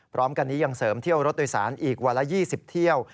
พร้อมกันนี้ยังเสริมเที่ยวรถโดยสารอีกวันละ๒๐เที่ยว